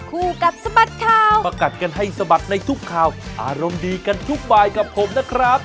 คู่กัดสะบัดข่าวประกัดกันให้สะบัดในทุกข่าวอารมณ์ดีกันทุกบายกับผมนะครับ